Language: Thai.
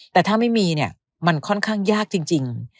แต่ถ้าไม่มีเนี่ยมันค่อนข้างยากจริง